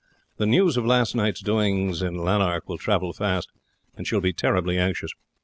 The news of last night's doings in Lanark will travel fast, and she will be terribly anxious.